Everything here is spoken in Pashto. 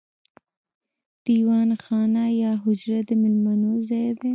دیوان خانه یا حجره د میلمنو ځای دی.